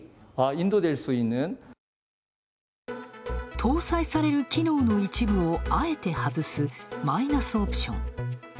搭載される機能の一部をあえて外すマイナスオプション。